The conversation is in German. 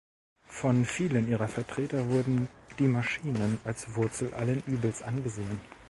Von vielen ihrer Vertreter wurden „die Maschinen“ als Wurzel allen Übels angesehen.